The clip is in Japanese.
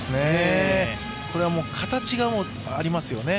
これはもう、形がありますよね。